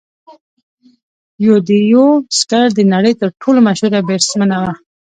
یوديوسکر د نړۍ تر ټولو مشهوره بیټسمېنه وه.